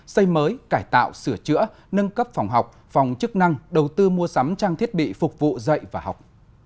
xây mới cải tạo sửa chữa nâng cấp phòng học phòng chức năng đầu tư mua sắm trang thiết bị phục vụ dạy và học